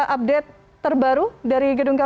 update terbaru dari gedung kpk